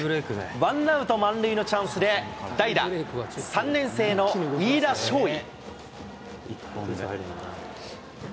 ワンアウト満塁のチャンスで、代打、３年生の飯田将生。